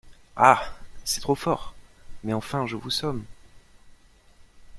Ah ! c’est trop fort ! mais enfin, je vous somme…